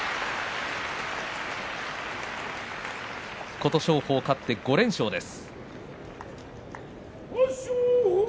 琴勝峰、勝って５連勝です。